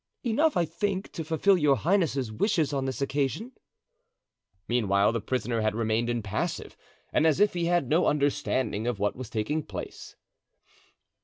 "Enough, I think, to fulfill your highness's wishes on this occasion." Meanwhile the prisoner had remained impassive and as if he had no understanding of what was taking place.